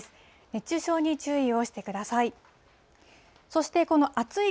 熱中症に注意をしてください。